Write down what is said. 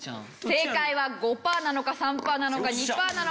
正解は５パーなのか３パーなのか２パーなのか？